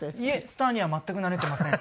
スターには全くなれていません。